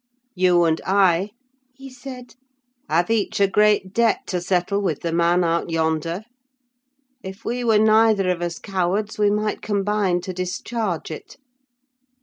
"'You, and I,' he said, 'have each a great debt to settle with the man out yonder! If we were neither of us cowards, we might combine to discharge it.